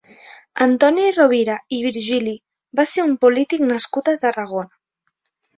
Antoni Rovira i Virgili va ser un polític nascut a Tarragona.